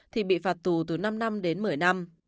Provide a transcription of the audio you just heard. thì bị phạt tù từ năm năm đến một mươi năm